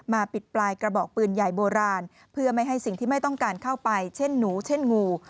ปิดปลายกระบอกปืนใหญ่โบราณเพื่อไม่ให้สิ่งที่ไม่ต้องการเข้าไปเช่นหนูเช่นงู